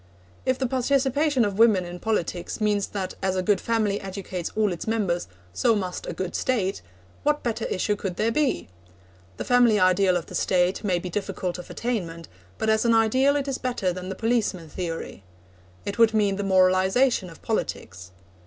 If the participation of women in politics means that as a good family educates all its members, so must a good State, what better issue could there be? The family ideal of the State may be difficult of attainment, but as an ideal it is better than the policeman theory. It would mean the moralisation of politics.